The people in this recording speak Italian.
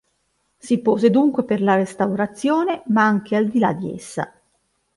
Si pose dunque per la restaurazione, ma anche al di là di essa.